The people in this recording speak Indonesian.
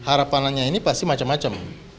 harapanannya ini pasti macam macam